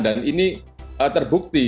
dan ini terbukti